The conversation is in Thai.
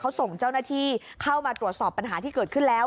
เขาส่งเจ้าหน้าที่เข้ามาตรวจสอบปัญหาที่เกิดขึ้นแล้ว